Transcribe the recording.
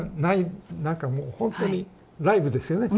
なんかもうほんとにライブですよね。